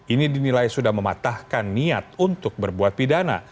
ini dinilai sudah mematahkan niat untuk berbuat pidana